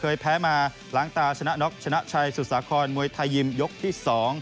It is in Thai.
แพ้มาล้างตาชนะน็อกชนะชัยสุสาครมวยไทยยิมยกที่๒